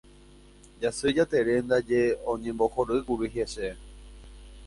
Jasy Jatere ndaje oñembohorýkuri hese.